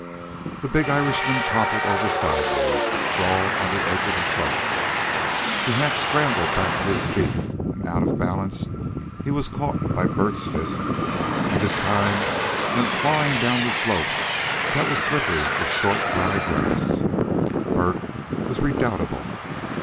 The big Irishman toppled over sidewise and sprawled on the edge of the slope. Half scrambled back to his feet and out of balance, he was caught by Bert's fist, and this time went clawing down the slope that was slippery with short, dry grass. Bert was redoubtable.